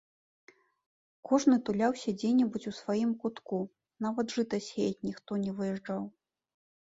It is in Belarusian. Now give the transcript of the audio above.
Кожны туляўся дзе-небудзь у сваім кутку, нават жыта сеяць ніхто не выязджаў.